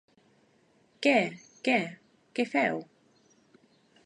Què, què, què feu?